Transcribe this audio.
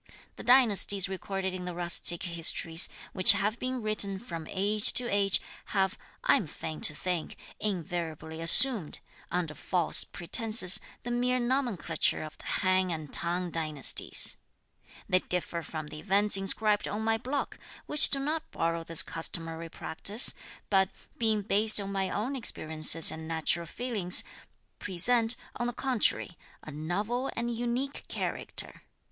The dynasties recorded in the rustic histories, which have been written from age to age, have, I am fain to think, invariably assumed, under false pretences, the mere nomenclature of the Han and T'ang dynasties. They differ from the events inscribed on my block, which do not borrow this customary practice, but, being based on my own experiences and natural feelings, present, on the contrary, a novel and unique character.